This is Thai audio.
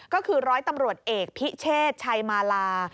ก็คือร้อยตำรวจเอกพิเชษชัยมาลา